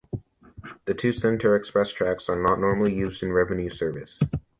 The two center express tracks are not normally used in revenue service.